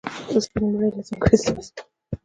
د سپینې ماڼۍ له ځانګړې استازي